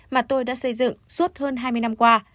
mà tôi đã xây dựng suốt hơn hai mươi năm qua